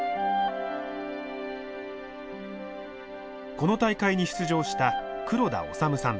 この大会に出場した黒田脩さんです。